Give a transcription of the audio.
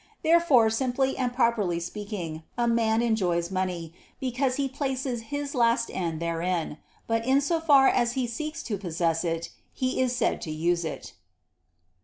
Therefore, simply and properly speaking, a man enjoys money, because he places his last end therein; but in so far as he seeks to possess it, he is said to use it.